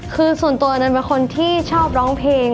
คือส่วนตัวอันนั้นเป็นคนที่ชอบร้องเพลง